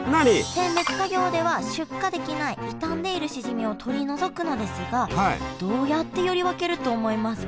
選別作業では出荷できない傷んでいるしじみを取り除くのですがどうやって選り分けると思いますか？